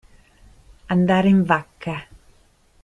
Andare in vacca.